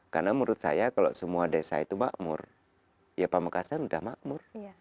karena menurut saya kalau semua desa itu makmur ya pamekasan sudah makmur